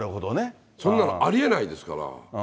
そんなのありえないですから。